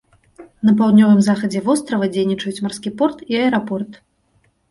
На паўднёвым захадзе вострава дзейнічаюць марскі порт і аэрапорт.